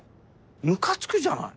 ムカつくじゃない。